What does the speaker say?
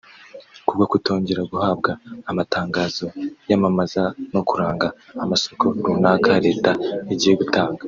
kubwo kutongera guhabwa amatangazo yamamaza no kuranga amasoko runaka leta igiye gutanga